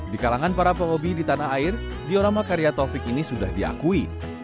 di kalangan para pehobi di tanah air diorama karya taufik ini sudah diakui